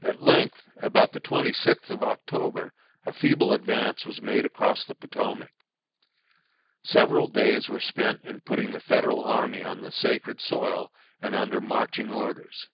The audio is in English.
At length about the twenty sixth of October a feeble advance was made across the Potomac. Several days were spent in putting the Federal army on the sacred soil and under marching orders.